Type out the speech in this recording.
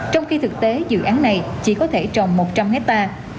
trong khi thực tế dự án này chỉ có thể trồng một trăm linh hectare